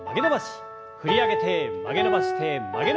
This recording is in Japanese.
振り上げて曲げ伸ばして曲げ伸ばして振り下ろす。